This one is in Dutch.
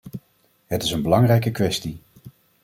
Het is een belangrijke kwestie.